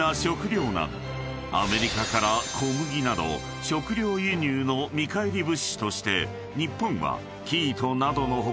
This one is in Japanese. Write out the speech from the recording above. ［アメリカから小麦など食糧輸入の見返り物資として日本は生糸などの他